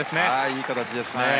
いい形ですね。